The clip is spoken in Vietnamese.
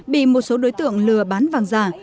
bị một số đối tượng lừa bán vàng giả